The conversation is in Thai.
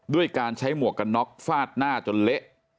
ด้วยการใช้หมวกกันน็อกฟาดหน้าจนเละ